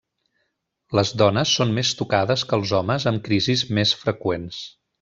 Les dones són més tocades que els homes amb crisis més freqüents.